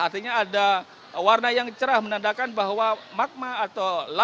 artinya ada warna yang cerah menandakan bahwa magma atau lapa ini akan keluar